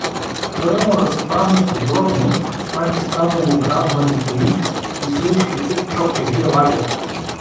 Той му разправи подробно как е станало грабването й и случките в Чокевия лагер.